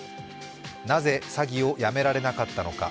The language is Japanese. なぜ詐欺をやめられなかったのか。